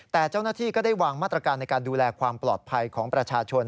แต่เจ้าหน้าที่ก็ได้วางมาตรการในการดูแลความปลอดภัยของประชาชน